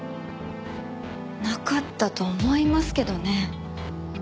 なかったと思いますけどね。